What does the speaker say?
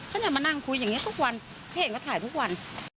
ก็เนี่ยมานั่งคุยอย่างนี้ทุกวันเพจก็ถ่ายทุกวัน